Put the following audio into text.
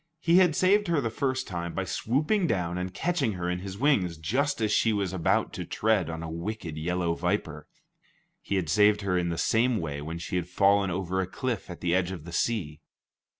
He had saved her the first time by swooping down and catching her in his wings just as she was about to tread on a wicked yellow viper; he had saved her in the same way when she had fallen over a cliff at the edge of the sea.